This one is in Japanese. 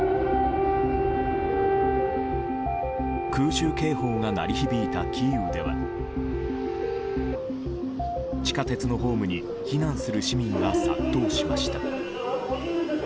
空襲警報が鳴り響いたキーウでは地下鉄のホームに避難する市民が殺到しました。